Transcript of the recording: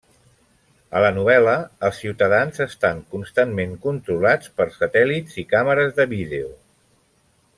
A la novel·la, els ciutadans estan constantment controlats per satèl·lits i càmeres de vídeo.